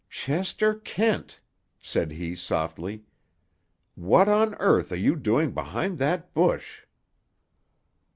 "Chester Kent!" said he softly. "What on earth are you doing behind that bush?"